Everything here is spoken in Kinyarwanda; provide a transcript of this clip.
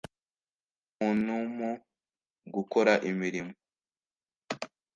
undi muntumu gukora imirimo